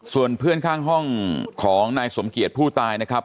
ส่วนเพื่อนข้างห้องของนายสมเกียจผู้ตายนะครับ